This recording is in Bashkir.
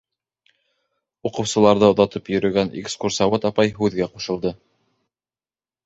Уҡыусыларҙы оҙатып йөрөгән экскурсовод апай һүҙгә ҡушылды: